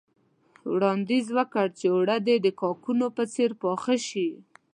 وړانديز وکړ چې اوړه دې د کاکونو په څېر پاخه شي.